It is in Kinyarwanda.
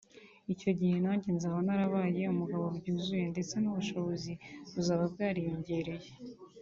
icyo gihe nanjye nzaba narabaye umugabo byuzuye ndetse n’ubushobozi buzaba bwariyongereye